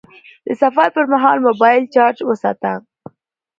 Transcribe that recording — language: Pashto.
د سفر پر مهال موبایل چارج وساته..